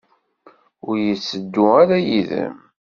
Ur yetteddu ara yid-m?